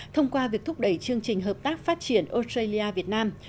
thông qua việc thúc đẩy chương trình hợp tác phát triển australia việt nam